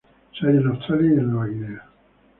Se halla en Australia y en Nueva Guinea.